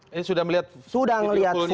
ini sudah melihat full tayangan penuh